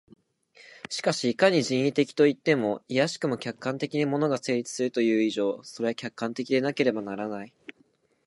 しかしいかに人為的といっても、いやしくも客観的に物が成立するという以上、それは客観的でなければならない。